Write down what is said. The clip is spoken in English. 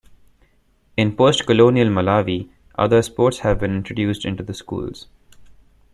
In post-colonial Malawi, other sports have been introduced into the schools.